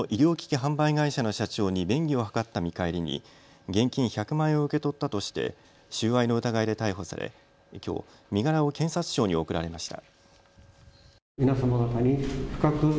販売会社の社長に便宜を図った見返りに現金１００万円を受け取ったとして収賄の疑いで逮捕されきょう身柄を検察庁に送られました。